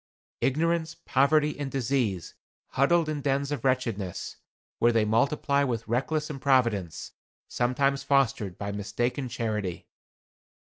Ignorance, poverty and disease, huddled in dens of wretchedness, where they multiply with reckless improvidence, sometimes fostered by mistaken charity.